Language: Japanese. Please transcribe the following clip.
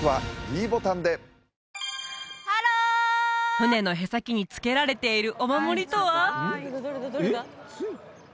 船の舳先につけられているお守りとは！？